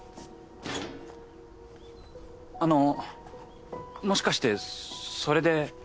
あのもしかしてそれで。